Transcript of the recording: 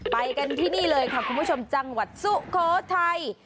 ไปกันที่นี่เลยค่ะคุณผู้ชมจังหวัดสุโขทัย